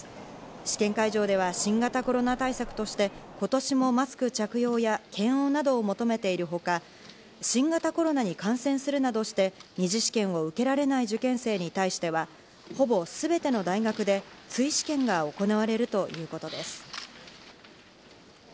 試験会場では新型コロナ対策として今年もマスク着用や検温などを求めているほか、新型コロナに感染するなどして２次試験を受けられない受験生に対してはほぼすべての大学で追試験が行われるということです。